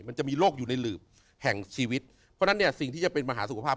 มันจะมีโรคอยู่ในหลืบแห่งชีวิตเพราะฉะนั้นเนี่ยสิ่งที่จะเป็นมหาสุขภาพ